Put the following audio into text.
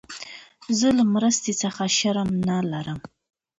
زه له مرستي څخه شرم نه لرم.